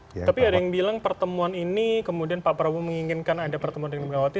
tapi ada yang bilang pertemuan ini kemudian pak prabowo menginginkan ada pertemuan dengan megawati